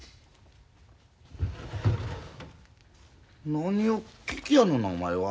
何を聞きやんのなお前は！